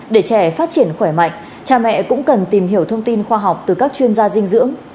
để trẻ phát triển khỏe mạnh cha mẹ cũng cần tìm hiểu thông tin khoa học từ các chuyên gia dinh dưỡng